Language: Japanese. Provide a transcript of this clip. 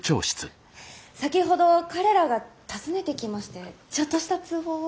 先ほど彼らが訪ねてきましてちょっとした通報を。